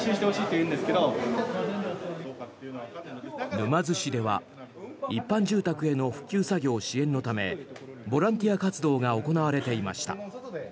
沼津市では一般住宅への復旧作業支援のためボランティア活動が行われていました。